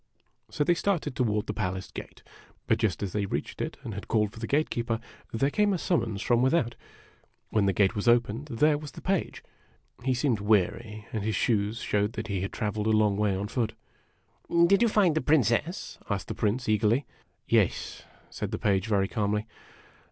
So they started toward the palace gate; but just as they reached it and had called for the gate keeper, there came a summons from 144 IMAGINOTIONS without. When the gate was opened there was the Page. He seemed weary, and his shoes showed that he had traveled a long way on foot. "Did you find the Princess?" asked the Prince, eagerly. " Yes," said the Page, very calmly.